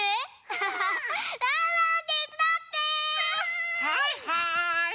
はいはい！